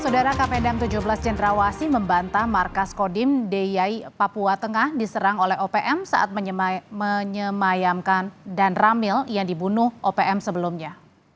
saudara kpdam tujuh belas jendrawasi membantah markas kodim de yai papua tengah diserang oleh opm saat menyemayamkan dan ramil yang dibunuh opm sebelumnya